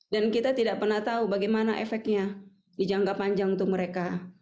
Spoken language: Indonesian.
dan kita tidak pernah tahu bagaimana efeknya di jangka panjang untuk mereka